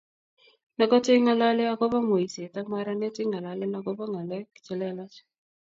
nekoto ing'ololen akobo mweiset ak maranet, ing'alalen akobo ng'alek chelelach